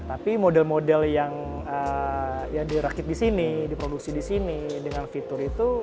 tapi model model yang ya dirakit di sini diproduksi di sini dengan fitur itu